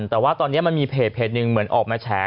แต่ว่าตอนนี้มันมีเพจหนึ่งเหมือนออกมาแฉ